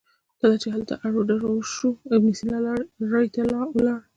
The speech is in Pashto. کله چې هلته اړو دوړ شو ابن سینا ري ته ولاړ.